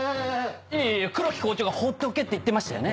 いやいや黒木校長が放っておけって言ってましたよね。